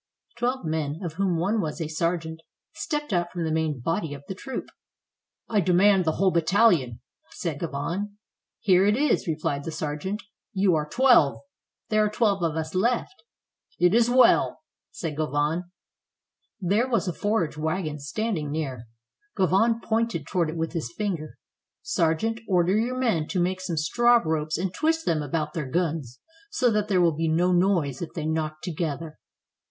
Twelve men, of whom one was a sergeant, stepped out from the main body of the troop. "I demand the whole battalion," said Gauvain. "Here it is," replied the sergeant. "You are twelve!" "There are twelve of us left." "It is well," said Gauvain. There was a forage wagon standing near; Gauvain pointed toward it with his finger. "Sergeant, order your men to make some straw ropes and twist them about their guns, so that there will be no noise if they knock together."